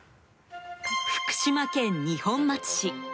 福島県二本松市。